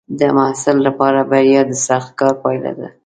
د محصل لپاره بریا د سخت کار پایله ده.